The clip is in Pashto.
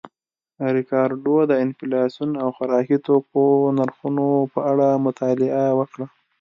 ریکارډو د انفلاسیون او خوراکي توکو نرخونو په اړه مطالعه وکړه